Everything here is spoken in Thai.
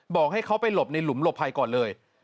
บอกให้เขาไปหลบในหลุมหลบภัยก่อนเลย